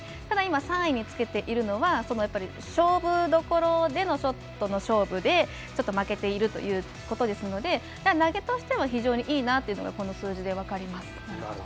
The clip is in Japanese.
ただ今、３位につけているのは勝負どころでのショットの勝負でちょっと負けているということですので投げとしては、非常にいいなというのがこの数字で分かります。